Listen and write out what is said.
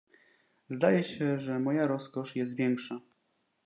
"Zdaje się, że moja rozkosz jest większa."